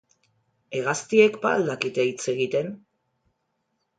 Hegaztiek ba al dakite hitz egiten?